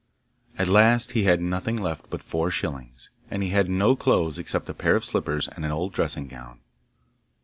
At last he had nothing left but four shillings, and he had no clothes except a pair of slippers and an old dressing gown.